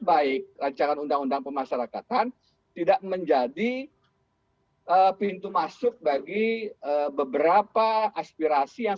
baik rancangan undang undang pemasarakatan tidak menjadi pintu masuk bagi beberapa aspirasi yang